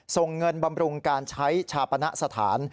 ส่งเงินบำรุงการใช้ชาปณะสถาน